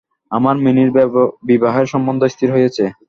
আমার মিনির বিবাহের সম্বন্ধ স্থির হইয়াছে।